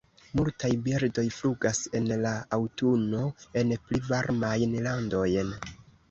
Multaj birdoj flugas en la aŭtuno en pli varmajn landojn.